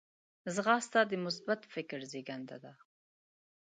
ځغاسته د مثبت فکر زیږنده ده